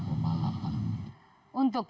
untuk menurut saya